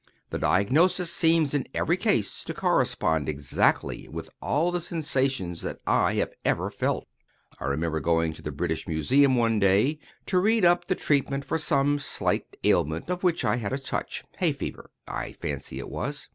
The diagnosis seems in every case to correspond exactly with all the sensations that I have ever felt. [Picture: Man reading book] I remember going to the British Museum one day to read up the treatment for some slight ailment of which I had a touch—hay fever, I fancy it was.